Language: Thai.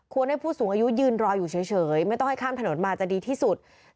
ให้ผู้สูงอายุยืนรออยู่เฉยไม่ต้องให้ข้ามถนนมาจะดีที่สุด